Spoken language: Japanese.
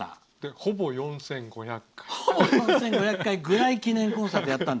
「ほぼ４５００回ぐらい記念公演」をやったの。